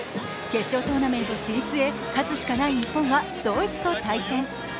決勝トーナメント進出へ勝つしかない日本はドイツと対戦。